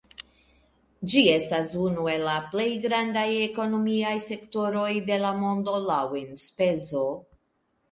Ĝi estas unu el la plej grandaj ekonomiaj sektoroj de la mondo laŭ enspezo.